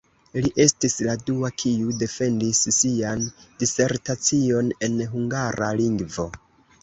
Li estis la unua, kiu defendis sian disertacion en hungara lingvo.